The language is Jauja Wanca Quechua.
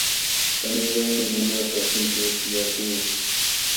Panallawanmi mamaapa wasinćhuu tiyakuu.